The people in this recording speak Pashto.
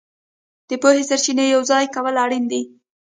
د پوهې سرچینې یوځای کول اړین دي.